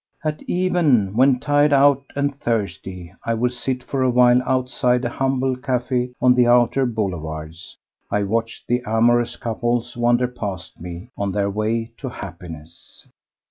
At even, when tired out and thirsty, I would sit for a while outside a humble café on the outer boulevards, I watched the amorous couples wander past me on their way to happiness.